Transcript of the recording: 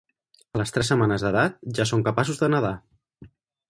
A les tres setmanes d'edat, ja són capaços de nedar.